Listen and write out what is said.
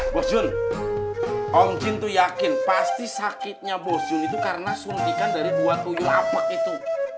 bos jun om jin tuh yakin pasti sakitnya bosun itu karena suntikan dari buat uyu apa itu